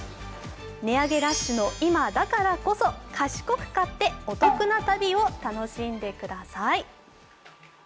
値上げラッシュの今だからこそ、賢く買ってお得な旅を楽しんでください。